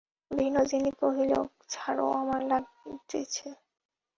বিনোদিনী কহিল, ছাড়ো, আমার লাগিতেছে।